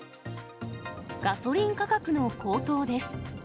ガソリン価格の高騰です。